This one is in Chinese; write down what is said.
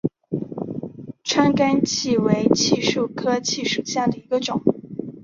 川甘槭为槭树科槭属下的一个种。